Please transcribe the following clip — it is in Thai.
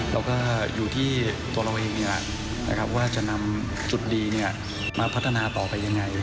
แล้วก็อยู่ที่ตัวเราเองว่าจะนำจุดดีมาพัฒนาต่อไปยังไง